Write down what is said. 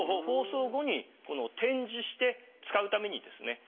放送後に展示して使うためにですね